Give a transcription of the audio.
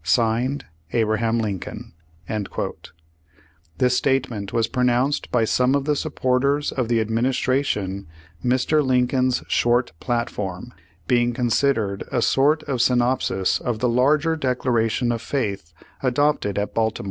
"(Signed) Abraham Lincoln." This statement was pronounced by some of the supporters of the Administration Mr. Lincoln's "short platform," being considered a sort of syn opsis of the larger declaration of faith adopted at Baltimore.